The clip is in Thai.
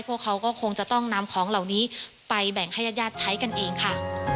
พวกเขาก็คงจะต้องนำของเหล่านี้ไปแบ่งให้ญาติญาติใช้กันเองค่ะ